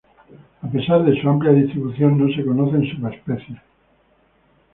A pesar de su amplia distribución no se conocen subespecies.